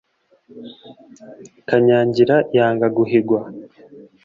Kanyangira yanga guhigwa